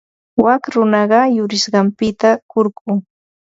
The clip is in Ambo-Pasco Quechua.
Wak runaqa yurisqanpita kurku.